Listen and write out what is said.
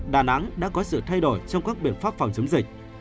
đà nẵng đã có sự thay đổi trong các biện pháp phòng chống dịch